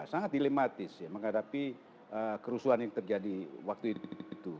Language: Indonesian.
sangat dilematis ya menghadapi kerusuhan yang terjadi waktu itu